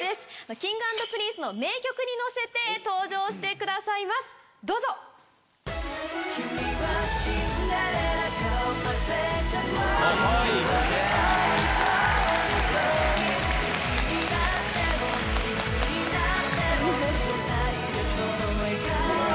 Ｋｉｎｇ＆Ｐｒｉｎｃｅ の名曲に乗せて登場してくださいますどうぞ。かわいい！あら！